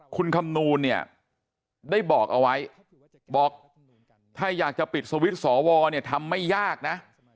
คุณคำนูลได้บอกเอาไว้บอกถ้าอยากจะปิดสวิทธิ์สวทำไม่ยากนะ